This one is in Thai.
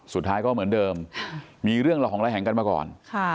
สุดท้ายก็เหมือนเดิมมีเรื่องระหองระแหงกันมาก่อน